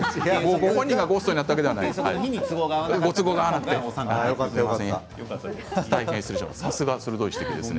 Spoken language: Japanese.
ご本人がゴーストになったわけではないのね？